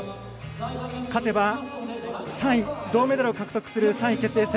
勝てば３位、銅メダルを獲得する３位決定戦。